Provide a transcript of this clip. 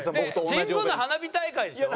神宮の花火大会でしょ？